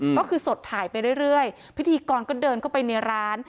ก็คือสดถ่ายไปเรื่อยพิธีกรก็เดินเข้าไปในร้าน